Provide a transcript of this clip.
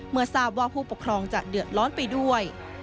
เมื่อทราบว่าผู้ปกครองจะเดือดร้อนไปด้วย